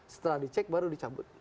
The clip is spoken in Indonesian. setelah dicek baru dicabut